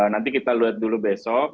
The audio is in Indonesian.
nanti kita lihat dulu besok